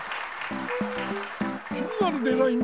気になるデザイン